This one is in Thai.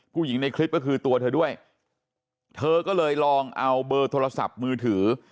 ในคลิปก็คือตัวเธอด้วยเธอก็เลยลองเอาเบอร์โทรศัพท์มือถือ